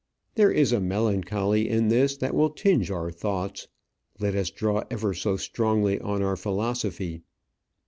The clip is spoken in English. There is a melancholy in this that will tinge our thoughts, let us draw ever so strongly on our philosophy.